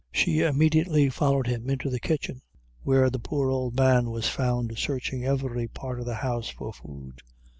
She immediately followed him into the I kitchen, where the poor old man was found searching every part of the house for food.